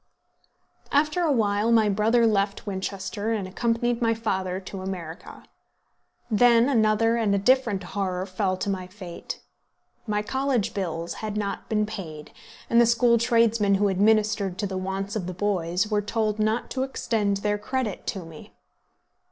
After a while my brother left Winchester and accompanied my father to America. Then another and a different horror fell to my fate. My college bills had not been paid, and the school tradesmen who administered to the wants of the boys were told not to extend their credit to me.